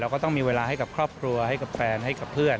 ก็ต้องมีเวลาให้กับครอบครัวให้กับแฟนให้กับเพื่อน